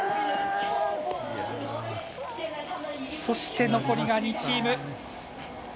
そして残りが２チーム。